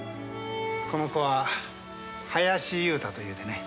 この子は林雄太というてね。